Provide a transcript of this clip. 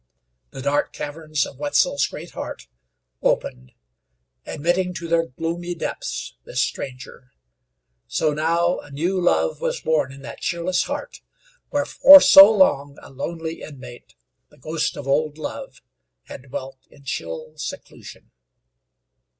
The dark caverns of Wetzel's great heart opened, admitting to their gloomy depths this stranger. So now a new love was born in that cheerless heart, where for so long a lonely inmate, the ghost of old love, had dwelt in chill seclusion.